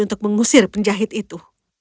untuk mengusir penjahit itu